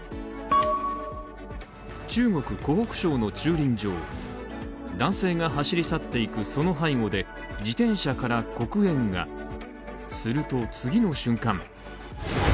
中国湖北省の駐輪場男性が走り去っていくその背後で自転車から黒煙がすると次の瞬間。